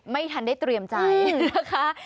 ไม่ทันได้เตรียมใจนะคะ